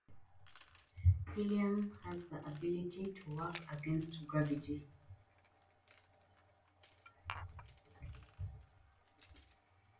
Helium has the ability to work against gravity.